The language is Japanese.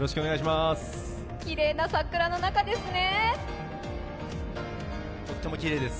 きれいなさくらの中ですね。